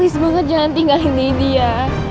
please banget jangan tinggalin daddy ya